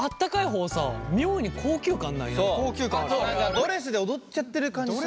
ドレスで踊っちゃってる感じすんだよな。